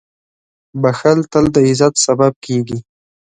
• بښل تل د عزت سبب کېږي.